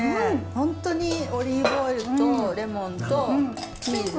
本当にオリーブオイルとレモンとチーズ。